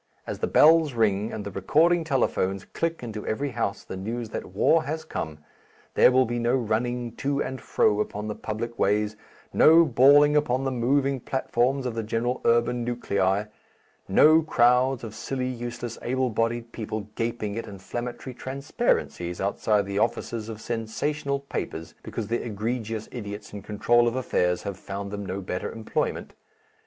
As the bells ring and the recording telephones click into every house the news that war has come, there will be no running to and fro upon the public ways, no bawling upon the moving platforms of the central urban nuclei, no crowds of silly useless able bodied people gaping at inflammatory transparencies outside the offices of sensational papers because the egregious idiots in control of affairs have found them no better employment.